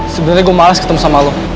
sebenarnya gue males ketemu sama lo